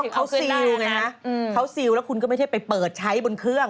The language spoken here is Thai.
เขาซีลไงฮะเขาซิลแล้วคุณก็ไม่ใช่ไปเปิดใช้บนเครื่อง